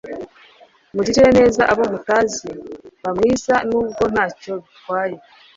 mugirire neza abo mutazi. ba mwiza nubwo ntacyo bitwaye